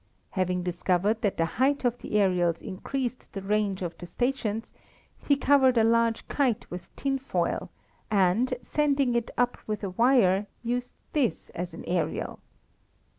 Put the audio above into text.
Having discovered that the height of the aerials increased the range of the stations, he covered a large kite with tin foil and, sending it up with a wire, used this as an aerial.